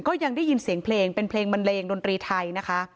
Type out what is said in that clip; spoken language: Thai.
ก็ยังได้ยินเสียงเพลงเป็นเพลงบันเลงดนตรีไทยนะคะ